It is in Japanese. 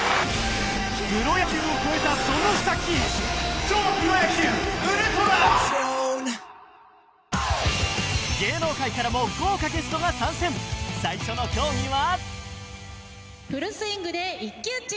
プロ野球を超えたその先へ芸能界からも豪華ゲストが参戦最初の競技はフルスイングで一騎打ち。